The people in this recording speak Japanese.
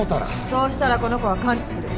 そうしたらこの子は完治する。